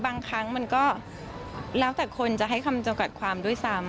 บางครั้งมันก็แล้วแต่คนจะให้คำจำกัดความด้วยซ้ำ